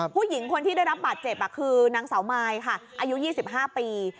ผู้หญิงคนที่ได้รับบาดเจ็บคือนางสาวมายค่ะอายุ๒๕ปี